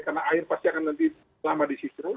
karena air pasti akan nanti lama disisirkan